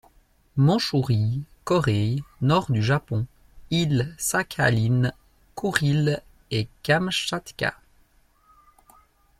Mandchourie, Corée, Nord du Japon, Île Sakhaline, Kouriles et Kamchatka.